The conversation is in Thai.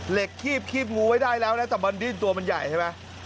คีบงูไว้ได้แล้วนะแต่มันดิ้นตัวมันใหญ่ใช่ไหม